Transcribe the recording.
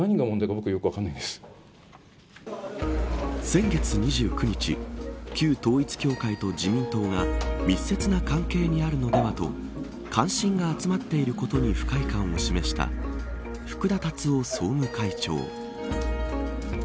先月２９日旧統一教会と自民党が密接な関係にあるのではと関心が集まっていることに不快感を示した福田達夫総務会長。